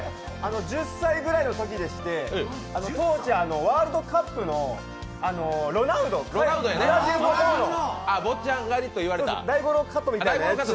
１０歳ぐらいのときでして当時ワールドカップのロナウド大五郎カットみたいなのを。